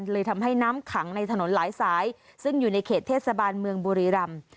เลยทำให้น้ำขังในถนนหลายสายซึ่งอยู่ในเขตเทศบาลเมืองบุรีรำ